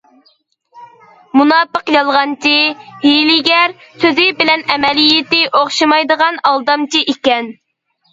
مۇناپىق يالغانچى، ھىيلىگەر، سۆزى بىلەن ئەمەلىيىتى ئوخشىمايدىغان ئالدامچى ئىكەن.